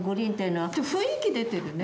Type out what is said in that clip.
雰囲気出てるね。